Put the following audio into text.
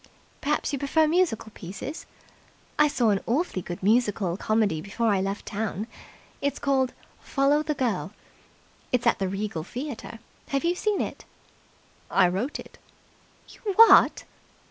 "Perhaps you prefer musical pieces? I saw an awfully good musical comedy before I left town. It's called 'Follow the Girl'. It's at the Regal Theatre. Have you seen it?" "I wrote it." "You what!"